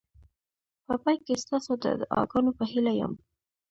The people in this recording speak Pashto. په پای کې ستاسو د دعاګانو په هیله یم.